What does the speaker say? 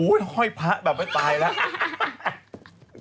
ห้อยพระแบบไม่ตายแล้ว